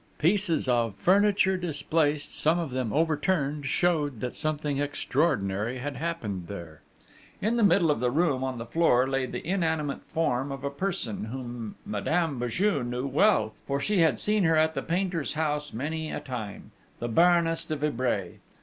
Pieces of furniture displaced, some of them overturned, showed that something extraordinary had happened there. In the middle of the room, on the floor, lay the inanimate form of a person whom Madame Béju knew well, for she had seen her at the painter's house many a time the Baroness de Vibray.